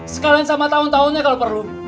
sekalian sama tahun tahunnya kalau perlu